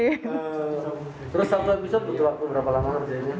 terus satu episo butuh waktu berapa lama